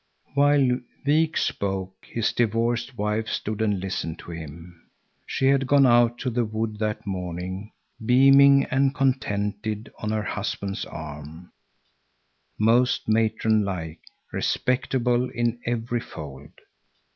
… While Wik spoke, his divorced wife stood and listened to him. She had gone out to the wood that morning, beaming and contented on her husband's arm, most matron like, respectable in every fold.